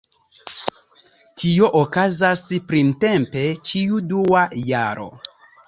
Tio okazas printempe ĉiu dua jaro.